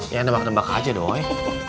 ya tebak tebak aja doi